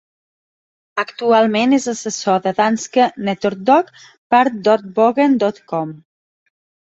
Actualment és assessor de Danske Netordbog, part d'Ordbogen dot com.